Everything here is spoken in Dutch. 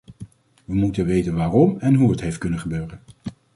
We moeten weten waarom en hoe het heeft kunnen gebeuren.